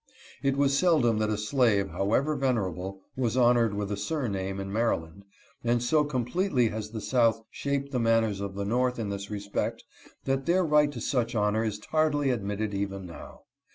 It was seldom that a slave, however venerable, was hon ored with a surname in Maryland, and so completely has the south shaped the manners of the north in this respect that their right to such honor is tardily admitted even now.